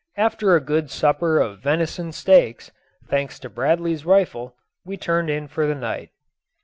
After a good supper of venison steaks thanks to Bradley's rifle we turned in for the night.